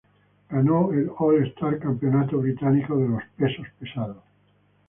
Ganó el All-Star Campeonato Británico de los Pesos Pesados.